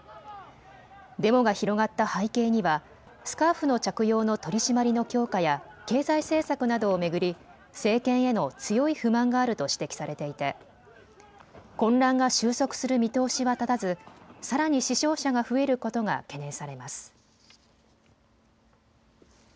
デモが広がった背景にはスカーフの着用の取締りの強化や経済政策などを巡り政権への強い不満があると指摘されていて混乱が収束する見通しは立たずさらに死傷者が増えることが懸念されます。